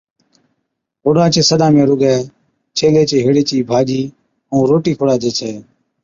اوڏان چي سڏا ۾ رُگي ڇيلي چي ھيڙي چِي ڀاڄِي ائُون روٽِي کُڙاجي ڇَي